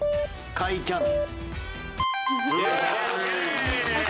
甲斐キャノン。